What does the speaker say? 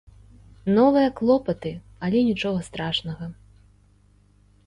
Новыя клопаты, але нічога страшнага.